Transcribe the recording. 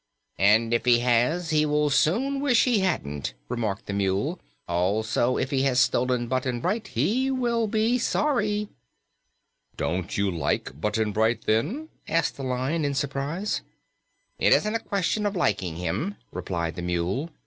"And if he has, he will soon wish he hadn't," remarked the Mule. "Also, if he has stolen Button Bright, he will be sorry." "Don't you like Button Bright, then?" asked the Lion in surprise. "It isn't a question of liking him," replied the Mule.